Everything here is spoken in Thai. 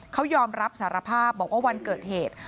เขายอมรับสารภาพบอกว่าวันเกิดเหตุ